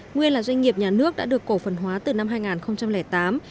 nguyên là doanh nghiệp nhà nước đã được cổ phần hóa từ năm hai nghìn tám